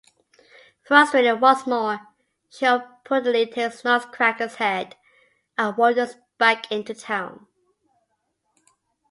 Frustrated once more, she off-putedly takes Nuts Cracker's head and wanders back into town.